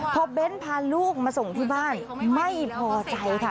พอเบ้นพาลูกมาส่งที่บ้านไม่พอใจค่ะ